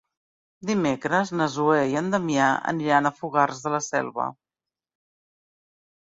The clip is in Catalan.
Dimecres na Zoè i en Damià aniran a Fogars de la Selva.